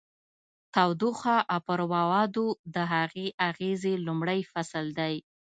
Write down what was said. تودوخه او پر موادو د هغې اغیزې لومړی فصل دی.